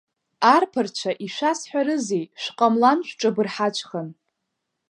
Арԥарцәа ишәасҳәарызеи, Шәҟамлан шәҿабырҳацәхан!